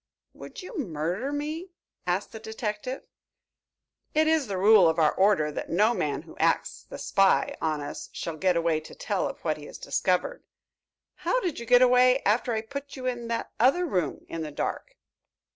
"Would you murder me?" asked the detective. "It is the rule of our order that no man who acts the spy on us shall get away to tell of what he has discovered. How did you get away after I put you in that other room in the dark?"